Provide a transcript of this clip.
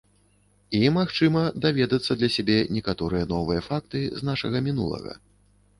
І, магчыма, даведацца для сябе некаторыя новыя факты з нашага мінулага.